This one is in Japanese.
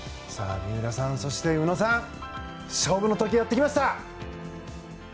三浦さん、そして宇野さん勝負の時がやってきました。